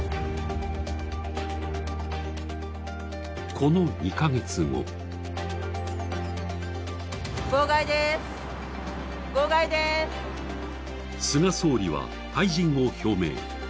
この２カ月後菅総理は退陣を表明。